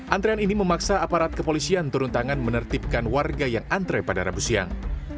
antrean ini memaksa aparat kepolisian turun tangan menertibkan warga yang antre pada rabu siang